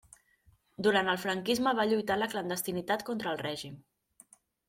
Durant el franquisme va lluitar en la clandestinitat contra el règim.